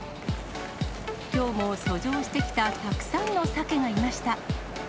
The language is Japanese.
きょうも遡上してきたたくさんのサケがいました。